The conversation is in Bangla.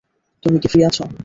তুমি কি ফ্রি আছ?